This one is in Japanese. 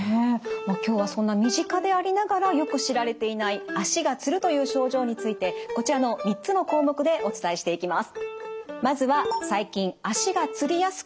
今日はそんな身近でありながらよく知られていない足がつるという症状についてこちらの３つの項目でお伝えしていきます。